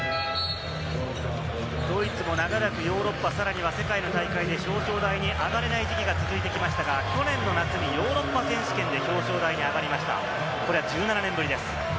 ドイツも長らくヨーロッパ、さらには世界の大会で表彰台に上がれない時期が続きましたが、去年夏にヨーロッパ選手権で表彰台に上がりました、１７年ぶりです。